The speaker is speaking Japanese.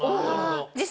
実際。